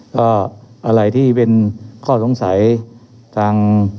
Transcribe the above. ก็อะไรที่เป็นข้อสงสัยทาง